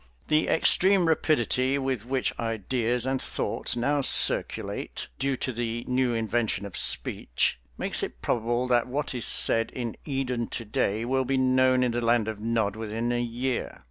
The extreme rapidity with which ideas and thoughts now circulate, due to the new invention of speech, makes it probable that what is said in Eden to day will be known in the land of Nod within a year.